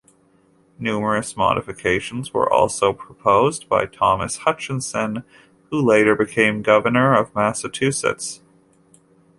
Numerous modifications were also proposed by Thomas Hutchinson, who later became Governor of Massachusetts.